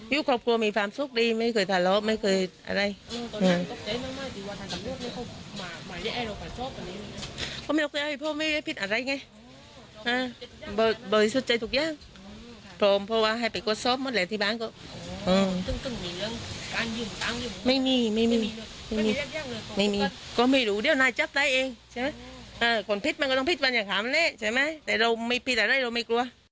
ครอบครัวมีความสุขดีไม่เคยทะเลาะไม่เคยอะไร